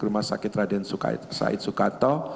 rumah sakit raden said sukato